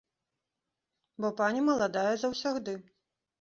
Бо пані маладая заўсягды.